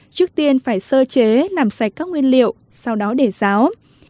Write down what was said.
trước tiên phải sơ chế làm sạch các nguyên liệu sau đó để ráo